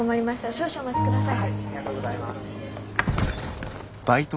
少々お待ちください。